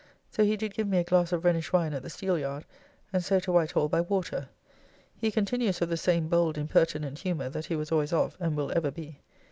So he did give me a glass of Rhenish wine at the Steeleyard, and so to Whitehall by water. He continues of the same bold impertinent humour that he was always of and will ever be.